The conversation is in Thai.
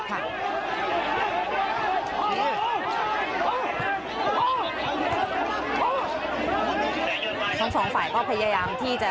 ทั้งสองฝ่ายก็พยายามที่จะยกตัวมา